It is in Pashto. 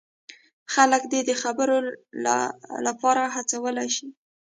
خلک دې د خبرو لپاره هڅول شي.